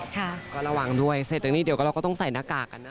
ก็ระหว่างด้วยเสร็จอย่างนี้เดี๋ยวเราก็ต้องใส่หน้ากากกัน